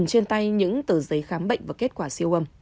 trên tay những tờ giấy khám bệnh và kết quả siêu âm